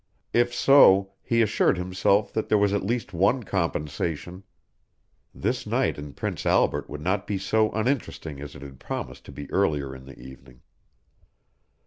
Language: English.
If so, he assured himself that there was at least one compensation. This night in Prince Albert would not be so uninteresting as it had promised to be earlier in the evening.